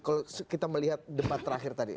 kalau kita melihat debat terakhir tadi